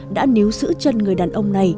đã níu sữ chân người đàn ông này